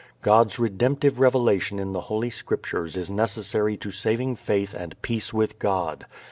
God's redemptive revelation in the Holy Scriptures is necessary to saving faith and peace with God.